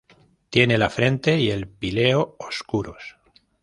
Tiene la frente y el píleo oscuros.